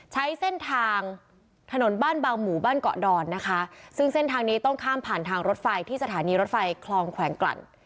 ใช้เส้นทางถนนบ้านบางหมู่บ้านเกาะดอนนะคะซึ่งเส้นทางนี้ต้องข้ามผ่านทางรถไฟที่สถานีรถไฟคลองแขวงกลั่น